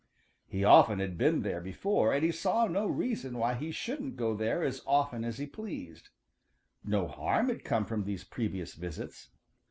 He often had been there before, and he saw no reason why he shouldn't go there as often as he pleased. No harm had come from these previous visits.